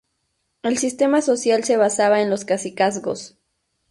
El sistema social se basaba en los cacicazgos.